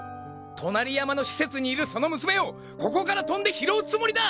隣山の施設にいるその娘をここから飛んで拾うつもりだ！